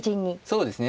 そうですね。